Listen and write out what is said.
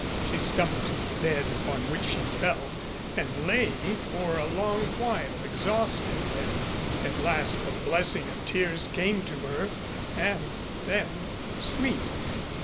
She stumbled to the bed upon which she fell and lay for a long while exhausted and at last the blessing of tears came to her and then, sleep.